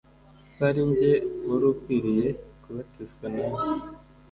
‘‘ Ko ari jye wari ukwiriye kubatizwa nawe